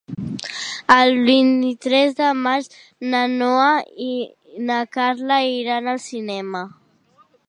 El vint-i-tres de maig na Noa i na Carla iran al cinema.